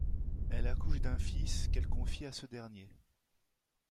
Elle accouche d'un fils qu'elle confie à ce dernier.